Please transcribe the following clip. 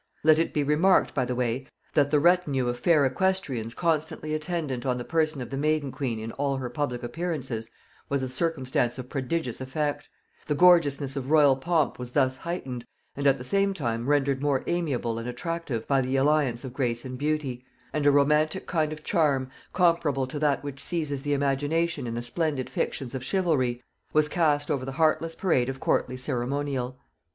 Let it be remarked by the way, that the retinue of fair equestrians constantly attendant on the person of the maiden queen in all her public appearances, was a circumstance of prodigious effect; the gorgeousness of royal pomp was thus heightened, and at the same time rendered more amiable and attractive by the alliance of grace and beauty; and a romantic kind of charm, comparable to that which seizes the imagination in the splendid fictions of chivalry, was cast over the heartless parade of courtly ceremonial.